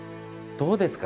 どうですか？